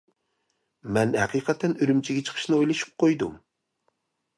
مەن ھەقىقەتەن ئۈرۈمچىگە چىقىشنى ئويلىشىپ قويدۇم.